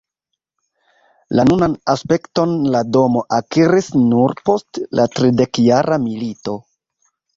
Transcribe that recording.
La nunan aspekton la domo akiris nur post la Tridekjara milito.